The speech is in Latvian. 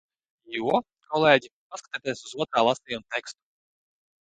Jo, kolēģi, paskatieties uz otrā lasījuma tekstu!